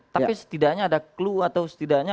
tapi setidaknya ada clue atau setidaknya